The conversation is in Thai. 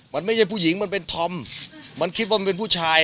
มันไม่ใช่ผู้หญิงมันเป็นธอมมันคิดว่ามันเป็นผู้ชาย